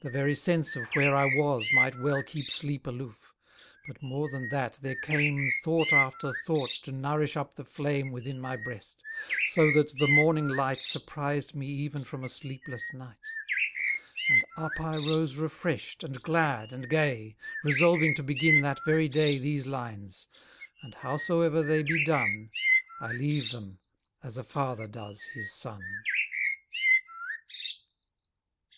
The very sense of where I was might well Keep Sleep aloof: but more than that there came Thought after thought to nourish up the flame Within my breast; so that the morning light Surprised me even from a sleepless night; And up I rose refresh'd, and glad, and gay, Resolving to begin that very day These lines; and howsoever they be done, I leave them as a father does his son.